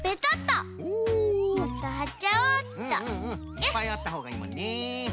いっぱいあったほうがいいもんね。